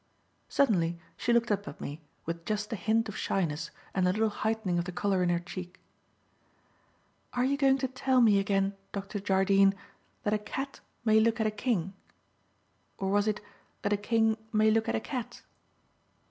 Suddenly she looked up at me with just a hint of shyness and a little heightening of the colour in her cheek. "Are you going to tell me again, Dr. Jardine, that a cat may look at a king? Or was it that a king may look at a cat?"